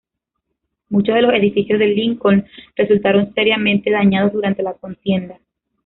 Muchos de los edificios de Lincoln resultaron seriamente dañados durante la contienda.